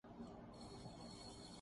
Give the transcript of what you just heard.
روزہ کھولنے کی دعا کیا ہے